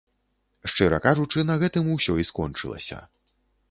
Шчыра кажучы, на гэтым усё і скончылася.